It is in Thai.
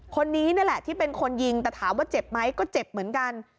คนนี้นี่แหละที่เป็นคนยิงแต่ถามว่าเจ็บไหมก็เจ็บเหมือนกัน